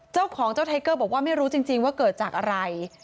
เจ้าของเจ้าไทเกอร์บอกว่าไม่รู้จริงว่าเกิดจากอะไร